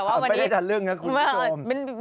ไม่ได้ทันเรื่องนะคุณผู้ชม